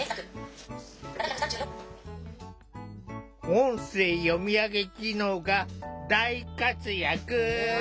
音声読み上げ機能が大活躍！